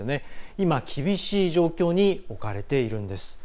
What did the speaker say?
今、厳しい状況に置かれているんです。